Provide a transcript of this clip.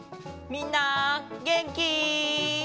みんなげんき？